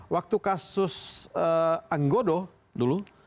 waktu kasus anggodo dulu